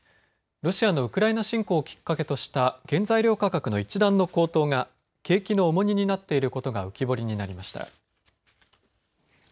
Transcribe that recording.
ロシアのウクライナ侵攻をきっかけとした原材料価格の一段の高騰が景気の重荷になっていることが浮き彫りになりました。